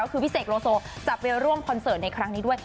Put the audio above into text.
ก็คือพี่เสกโลโซจะไปร่วมคอนเสิร์ตในครั้งนี้ด้วย